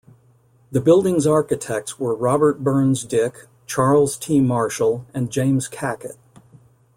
The building's architects were Robert Burns Dick, Charles T. Marshall and James Cackett.